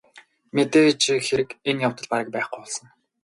Мэдээж хэрэг энэ явдал бараг байхгүй болсон.